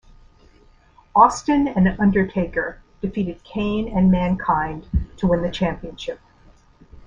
Austin and Undertaker defeated Kane and Mankind to win the championship.